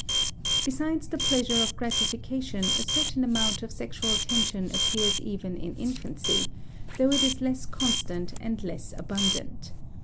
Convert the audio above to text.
Besides the pleasure of gratification a certain amount of sexual tension appears even in infancy, though it is less constant and less abundant.